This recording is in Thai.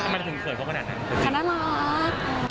มันถึงเขินเข้าขนาดไหน